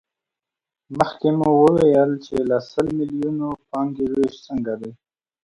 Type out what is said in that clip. مخکې مو وویل چې له سل میلیونو پانګې وېش څنګه دی